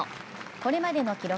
これまでの記録